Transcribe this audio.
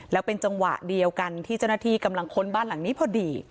แล้วเป็นจังหวะเดียวกันที่เจ้าหน้าที่กำลังค้นบ้านหลังนี้พอดี